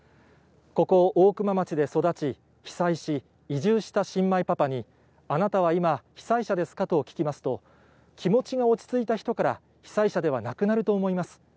ここ、大熊町で育ち、被災し、移住した新米パパに、あなたは今、被災者ですか？と聞きますと、気持ちが落ち着いた人から被災者ではなくなると思います。